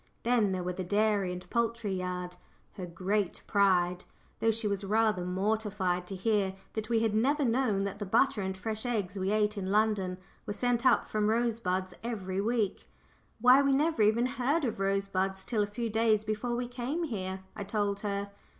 Then there were the dairy and poultry yard, her great pride, though she was rather mortified to hear that we had never known that the butter and fresh eggs we ate in London were sent up from Rosebuds every week. "Why, we never even heard of Rosebuds till a few days before we came here," I told her.